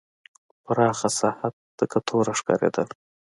پراخه ساحه تکه توره ښکارېدله.